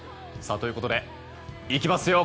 ということで、いきますよ。